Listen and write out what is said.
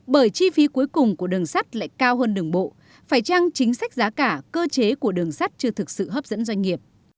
bởi chi phí cuối cùng của đường sắt lại cao hơn đường bộ phải chăng chính sách giá cả cơ chế của đường sắt chưa thực sự hấp dẫn doanh nghiệp